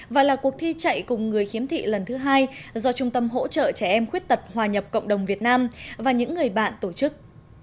và là cuộc thi chạy cùng người khiếm thị lần thứ hai do trung tâm hỗ trợ trẻ em khuyết tật hòa nhập cộng đồng việt nam và những người bạn tổ chức